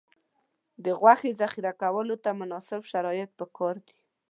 د غوښې ذخیره کولو ته مناسب شرایط پکار دي.